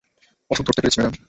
অসুখ ধরতে পেরেছি, ম্যাডাম।